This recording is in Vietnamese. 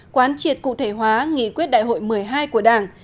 quán triệt cụ thể hóa nghị quyết đại hội một mươi hai của đảng